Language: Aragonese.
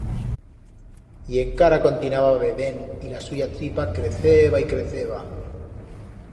Y encara continaba bebend y la suya tripa creceba y creceba...